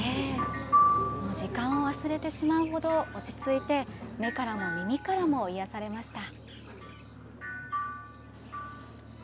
時間を忘れてしまうほど落ち着いて目からも耳からも癒やされました。